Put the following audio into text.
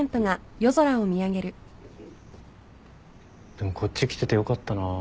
でもこっち来ててよかったなぁ。